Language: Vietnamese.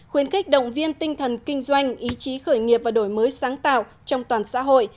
khuyến khích động viên tinh thần kinh doanh ý chí khởi nghiệp và đổi mới sáng tạo trong toàn xã hội